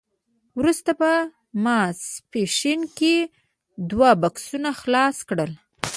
وروسته په ماسپښین کې دوی بکسونه خلاص کړل